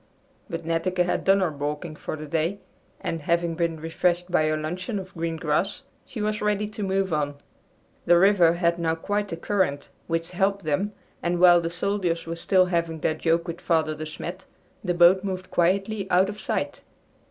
But Netteke had done her balking for the day, and, having been refreshed by her luncheon of green grass, she was ready to move on. The river had now quite a current, which helped them, and while the soldiers were still having their joke with Father De Smet the boat moved quietly out of sight.